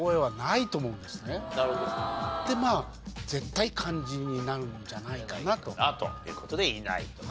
でまあ絶対漢字になるんじゃないかなと。という事でいないと。